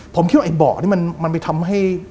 ผมคิดว่าไอเบาะนี่มันไปทำให้